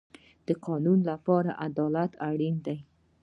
د قانون لپاره عدالت اړین دی